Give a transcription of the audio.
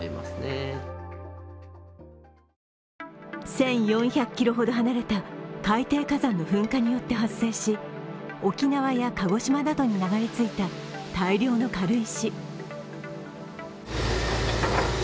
１４００ｋｍほど離れた海底火山の噴火によって発生し沖縄や鹿児島などに流れ着いた大量の軽石。